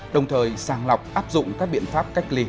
đồng thời sàng lọc áp dụng các biện pháp cách ly